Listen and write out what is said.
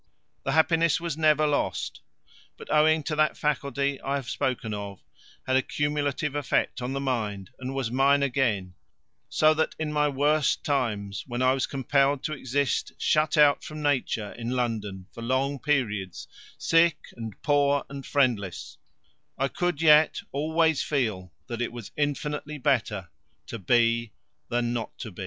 The happiness was never lost, but owing to that faculty I have spoken of, had a cumulative effect on the mind and was mine again, so that in my worst times, when I was compelled to exist shut out from Nature in London for long periods, sick and poor and friendless, I could yet always feel that it was infinitely better to be than not to be.